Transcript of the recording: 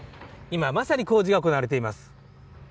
今まさに工事が行われています。